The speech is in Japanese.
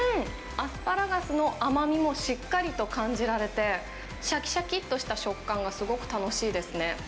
アスパラガスの甘みもしっかりと感じられて、しゃきしゃきっとした食感がすごく楽しいですね。